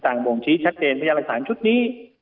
ทางบ่งชี้ชัดเจนพญานการฐานชุดนี้